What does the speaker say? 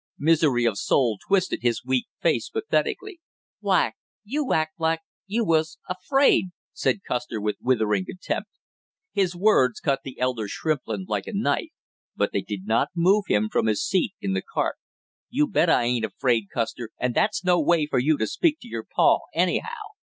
Misery of soul twisted his weak face pathetically. "Why you act like you was afraid!" said Custer, with withering contempt. His words cut the elder Shrimplin like a knife; but they did not move him from his seat in the cart. "You bet I ain't afraid, Custer, and that's no way for you to speak to your pa, anyhow!"